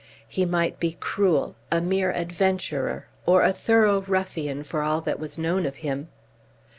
He might be cruel, a mere adventurer, or a thorough ruffian for all that was known of him.